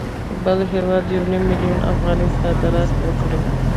بل هېواد یو نیم میلیون افغانۍ صادرات وکړي